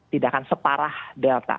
tidak akan separah delta